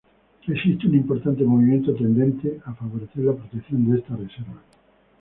Existe un importante movimiento tendiente a favorecer la protección de esta reserva.